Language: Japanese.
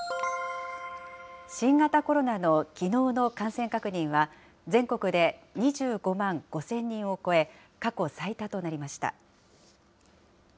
新型コロナのきのうの感染確認は、全国で２５万５０００人を超え、過去最多となりました。